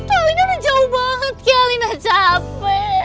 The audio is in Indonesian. alina udah jauh banget ya alina capek